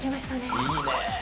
いいねぇ。